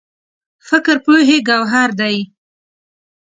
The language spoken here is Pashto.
فکر پوهې ګوهر دی.